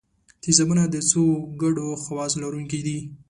تیزابونه د څو ګډو خواصو لرونکي دي.